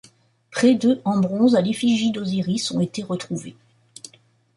Près de en bronze à l'effigie d'Osiris y ont été retrouvées.